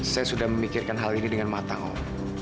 saya sudah memikirkan hal ini dengan matang